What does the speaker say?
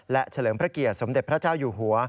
และเฉลิมพระเกียรติสมเด็จพระเจ้าอยู่หัว